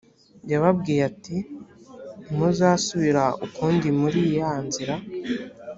yababwiye ati “ntimuzasubira ukundi muri ya nzira”